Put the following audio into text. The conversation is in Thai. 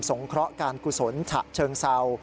งเคราะห์การกุศลฉะเชิงเศร้า